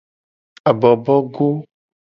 Abobogo.